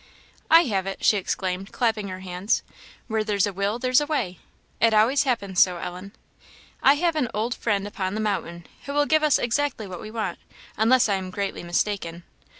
I have it!" she exclaimed, clapping her hands; "where there's a will there's a way it always happens so. Ellen, I have an old friend upon the mountain who will give us exactly what we want, unless I am greatly mistaken.